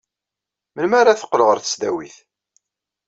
Melmi ara teqqel ɣer tesdawit?